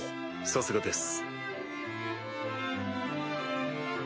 さすがです。